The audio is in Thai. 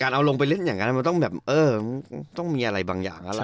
การเอาลงไปเล่นอย่างนั้นมันเรามีอะไรบางอย่าง